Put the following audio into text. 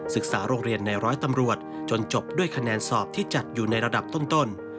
โรงเรียนในร้อยตำรวจจนจบด้วยคะแนนสอบที่จัดอยู่ในระดับต้น